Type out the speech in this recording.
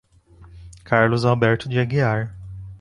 Carlos Alberto de Aguiar